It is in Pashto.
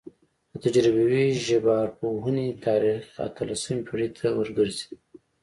د تجربوي ژبارواپوهنې تاریخ اتلسمې پیړۍ ته ورګرځي